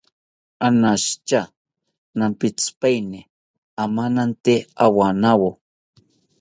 Anashitya nampitzipaini amanante owanawo